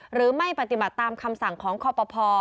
หรือไม่ปฏิบัติตามคำสั่งของคอปภ